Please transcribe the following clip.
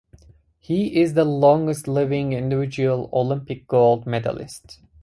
He is the longest living individual Olympic gold medalist.